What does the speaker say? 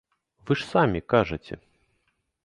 Вы ж самі кажаце.